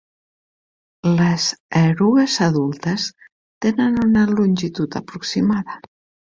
Les erugues adultes tenen una longitud aproximada.